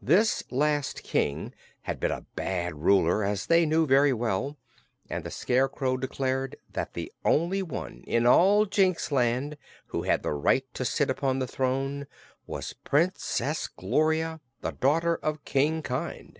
This last King had been a bad ruler, as they knew very well, and the Scarecrow declared that the only one in all Jinxland who had the right to sit upon the throne was Princess Gloria, the daughter of King Kynd.